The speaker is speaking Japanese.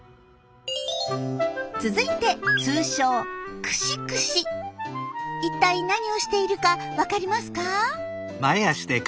続いて通称一体何をしているか分かりますか？